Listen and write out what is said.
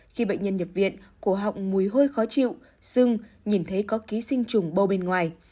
khi bệnh nhân nhập viện cổ họng mùi hôi khó chịu sưng nhìn thấy có ký sinh trùng bô bên ngoài